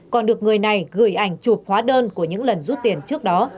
còn được người này gửi ảnh chụp hóa đơn của những lần rút tiền trước đó